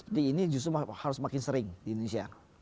ini justru harus makin sering di indonesia